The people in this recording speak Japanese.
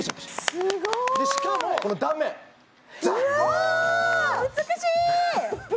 すごいしかもこの断面ザッ！